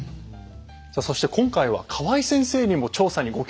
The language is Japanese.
さあそして今回は河合先生にも調査にご協力頂きました。